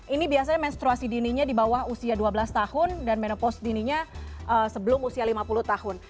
ini biasanya menstruasi dininya di bawah usia dua belas tahun dan menepos dininya sebelum usia lima puluh tahun